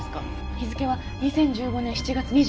日付は２０１５年７月２５日。